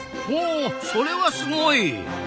ほうそれはすごい！